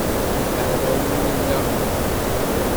D aɛdawen i nella.